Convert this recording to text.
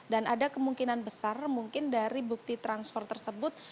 dan ada kemungkinan besar mungkin dari bukti transfer tersebut